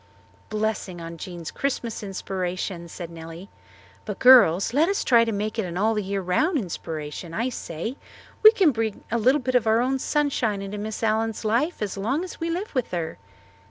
"Blessing on Jean's Christmas inspiration," said Nellie. "But, girls, let us try to make it an all the year round inspiration, I say. We can bring a little of our own sunshine into Miss Allen's life as long as we live with her."